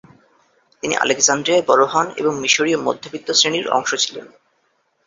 তিনি আলেকজান্দ্রিয়ায় বড় হন এবং মিশরীয় মধ্যবিত্ত শ্রেণীর অংশ ছিলেন।